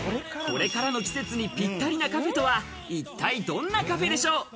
これからの季節にぴったりなカフェとは一体どんなカフェでしょう？